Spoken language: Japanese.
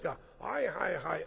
はいはいはい。